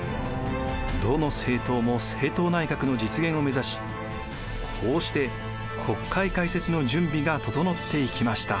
どの政党も政党内閣の実現を目指しこうして国会開設の準備が整っていきました。